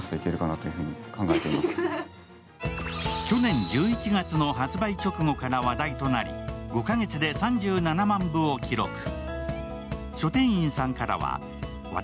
去年１１月の発売直後から話題となり、５カ月で３７万部を記録。